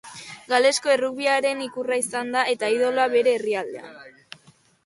Galesko errugbiaren ikurra izan da, eta idoloa bere herrialdean.